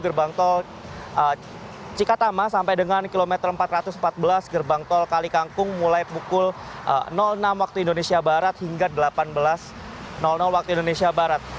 gerbang tol cikatama sampai dengan kilometer empat ratus empat belas gerbang tol kalikangkung mulai pukul enam waktu indonesia barat hingga delapan belas waktu indonesia barat